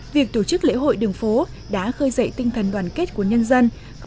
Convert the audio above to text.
việc tổ chức lễ hội đường phố đã khơi dậy tinh thần đoàn kết của nhân dân